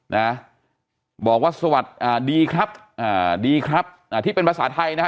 นะบอกว่าสวัสดีอ่าดีครับอ่าดีครับอ่าที่เป็นภาษาไทยนะฮะ